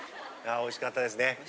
おいしかったですね。